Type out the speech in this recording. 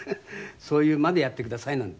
「そういうまでやってください」なんて。